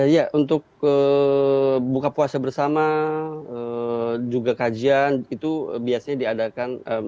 ya untuk buka puasa bersama juga kajian itu biasanya diadakan